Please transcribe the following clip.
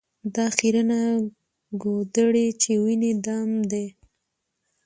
دا خیرنه ګودړۍ چي وینې دام دی